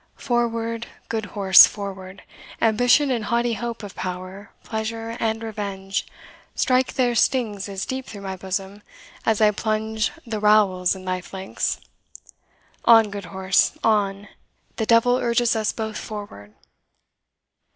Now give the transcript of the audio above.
Forward, good horse, forward ambition and haughty hope of power, pleasure, and revenge strike their stings as deep through my bosom as I plunge the rowels in thy flanks. On, good horse, on the devil urges us both forward!"